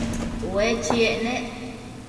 Ue chiec nec